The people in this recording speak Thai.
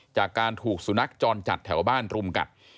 จากการถูกสุนัขจรจัดแถวบ้านรุมกัด